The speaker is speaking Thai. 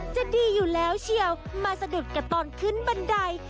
จะดีอยู่แล้วเชียวมาสะดุดกับตอนขึ้นบันได